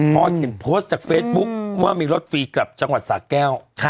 พอเห็นโพสต์จากเฟซบุ๊คว่ามีรถฟรีกลับจังหวัดสาแก้ว